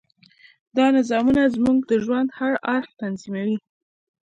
دا نظامونه زموږ د ژوند هر اړخ تنظیموي.